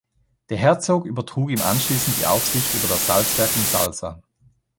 Der Herzog übertrug ihm anschließend die Aufsicht über das Salzwerk in Salza.